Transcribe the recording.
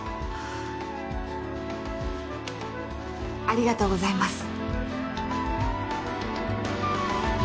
ありがとうございます。